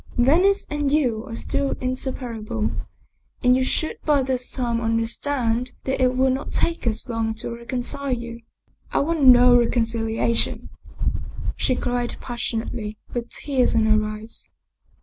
Venice and you are still inseparable, and you should by this time understand that it will not take us long to reconcile you." " I want no reconciliation," she cried passionately, with tears in her eyes.